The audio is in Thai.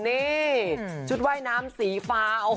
นี่ชุดว่ายน้ำสีฟ้า